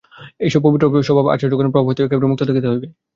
এইসব পবিত্রস্বভাব আচার্যগণের প্রভাব হইতেও একেবারে মুক্ত থাকিতে হইবে।